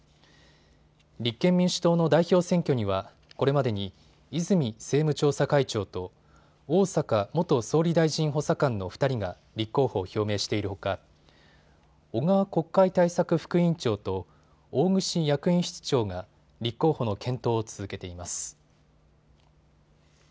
立憲民主党の代表選挙にはこれまでに泉政務調査会長と逢坂元総理大臣補佐官の２人が立候補を表明しているほか小川国会対策副委員長と大串役員室長が立候補の検討を続けています。